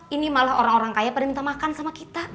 ini malah orang orang kaya pada minta makan sama kita